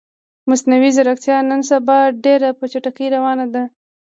مصنوعی ځیرکتیا نن سبا ډیره په چټکې روانه ده